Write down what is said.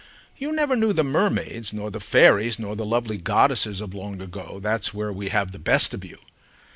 "You never knew the mermaids nor the fairies nor the lovely goddesses of long ago, that's where we have the best of you."